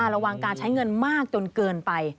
ระวังการใช้เงินมากจนเกินไป